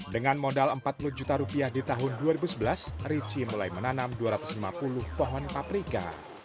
dengan modal empat puluh juta rupiah di tahun dua ribu sebelas richie mulai menanam dua ratus lima puluh pohon paprika